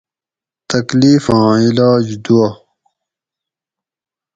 تکلیفاں علاج دُعا